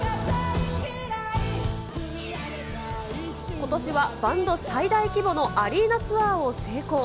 ことしはバンド最大規模のアリーナツアーを成功。